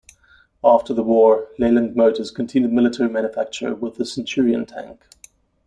After the war, Leyland Motors continued military manufacture with the Centurion tank.